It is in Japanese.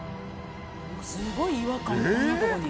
すごい違和感こんなとこに。